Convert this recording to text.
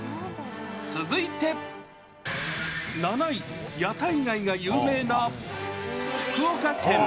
続いて７位、屋台街が有名な福岡県。